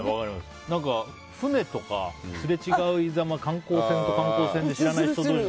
船とかすれ違いざま観光船と観光船で知らない人同士。